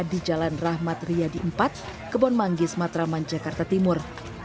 di jalan rahmat riyadi empat kebon manggis matraman jakarta timur